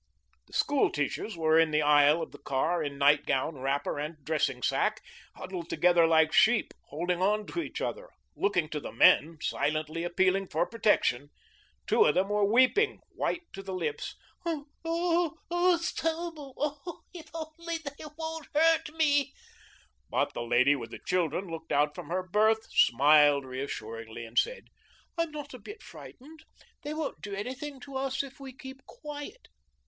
The school teachers were in the aisle of the car, in night gown, wrapper, and dressing sack, huddled together like sheep, holding on to each other, looking to the men, silently appealing for protection. Two of them were weeping, white to the lips. "Oh, oh, oh, it's terrible. Oh, if they only won't hurt me." But the lady with the children looked out from her berth, smiled reassuringly, and said: "I'm not a bit frightened. They won't do anything to us if we keep quiet.